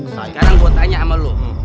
sekarang gue tanya sama lo